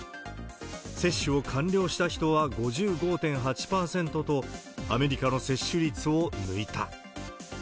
接種を完了した人は５５．８％と、アメリカの接種率を抜いた。